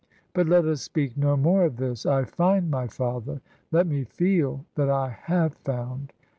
But let us speak no more of this : I find My father ; let me feel that I have found